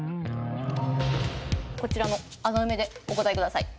こちらの穴埋めでお答え下さい。